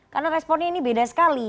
karena responnya ini beda sekali